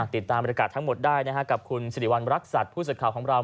ติดตามรายการทั้งหมดได้กับคุณสิริวัลรักษัทผู้จัดข่าวของเรา